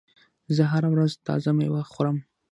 زه هره ورځ تازه مېوه خورم.